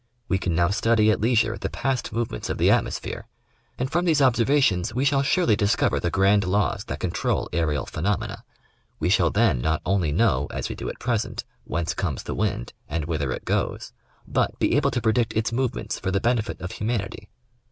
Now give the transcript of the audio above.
We can now study at leisure the past movements of the atmos phere, and from these observations we shall surely discover the grand laws that control aerial phenomena. We shall then not only know, as we do at present, whence comes the wind and whither it goes, but be able to predict its movements for the benefit of humanity.